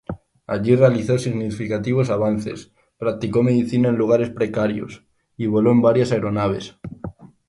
Allí realizó significativos avances, practicó medicina en lugares precarios, y voló en varias aeronaves.